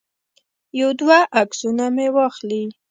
یو دوه عکسونه مې واخلي.